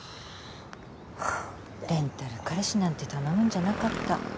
レンタル彼氏なんて頼むんじゃなかった。